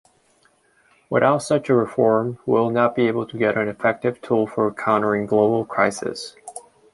Without such a reform, we will not be able to get an effective tool for countering global crises.